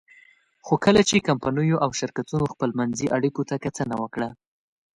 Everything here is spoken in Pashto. خو کله چې کمپنیو او شرکتونو خپلمنځي اړیکو ته کتنه وکړه.